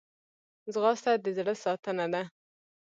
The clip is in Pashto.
ځغاسته د زړه ساتنه ده